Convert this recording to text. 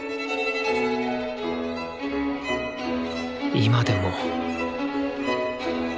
今でも。